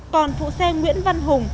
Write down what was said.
còn phụ xe nguyễn văn thắng